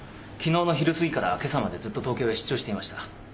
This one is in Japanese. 昨日の昼過ぎから今朝までずっと東京へ出張していました。